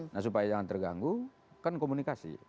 nah supaya jangan terganggu kan komunikasi